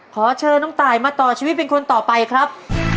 ขอเชิญน้องตายมาต่อชีวิตเป็นคนต่อไปครับ